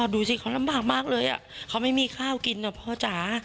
ดูสิเขาลำบากมากเลยเขาไม่มีข้าวกินนะพ่อจ๋า